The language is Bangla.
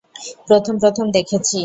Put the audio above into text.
প্রথম প্রথম দেখেছি।